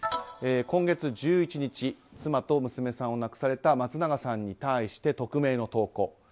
今月１１日妻と娘さんを亡くされた松永さんに対して匿名の投稿。